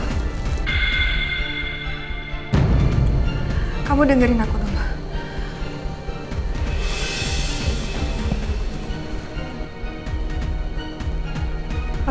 kamu dengerin aku dong nino